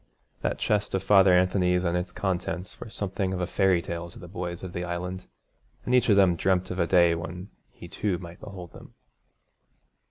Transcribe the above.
That chest of Father Anthony's and its contents were something of a fairy tale to the boys of the Island, and each of them dreamt of a day when he too might behold them.